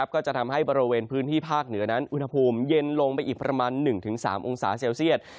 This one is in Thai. ก็จะทำให้บริเวณพื้นที่ภาคเหนือนั้นอุณหภูมิเย็นลงไปอีกประมาณ๑๓องศาเซลเซียต